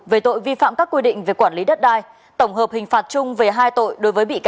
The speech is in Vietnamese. về tội vi phạm các quy định về quản lý đất đai